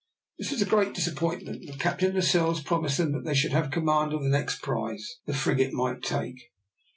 This was a great disappointment, but Captain Lascelles promised them that they should have command of the next prize the frigate might take.